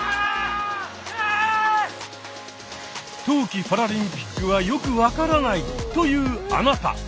冬季パラリンピックはよく分からないというあなた！